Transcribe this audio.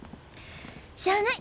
しゃあない！